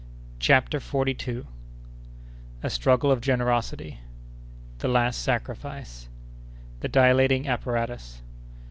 CHAPTER FORTY SECOND. A Struggle of Generosity.—The Last Sacrifice.—The Dilating Apparatus.